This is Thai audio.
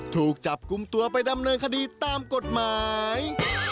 ถูกจับกลุ่มตัวไปดำเนินคดีตามกฎหมาย